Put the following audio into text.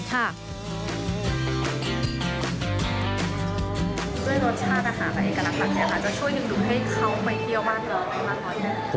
ด้วยรสชาติอาหารเอกลักษณ์ประเทศอาจจะช่วยยึดลุงให้เขาไปเที่ยวบ้านหรือบ้านร้อนได้